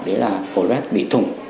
đó là ổ lết bị thủng